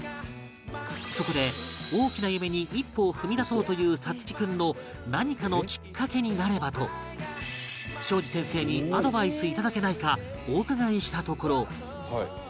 そこで大きな夢に一歩を踏み出そうという颯喜君の何かのきっかけになればと東海林先生にアドバイスいただけないかお伺いしたところ